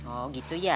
oh gitu ya